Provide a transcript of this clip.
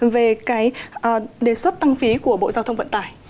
về cái đề xuất tăng phí của bộ giao thông vận tải